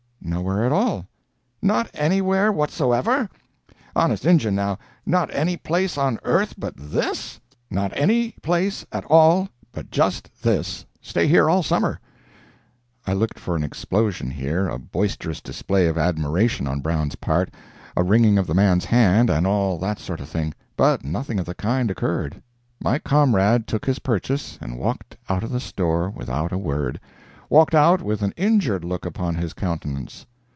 "Nowhere at all." "Not anywhere whatsoever?—honest Injun, now—not any place on earth but this?" "Not any place at all but just this—stay here all summer." I looked for an explosion here—a boisterous display of admiration on Brown's part, a wringing of the man's hand, and all that sort of thing. But nothing of the kind occurred. My comrade took his purchase and walked out of the store without a word—walked out with an injured look upon his countenance.